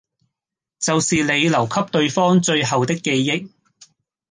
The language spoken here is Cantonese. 就是你留給對方最後的記憶